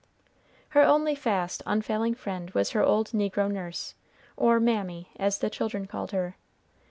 Her only fast, unfailing friend was her old negro nurse, or Mammy, as the children called her.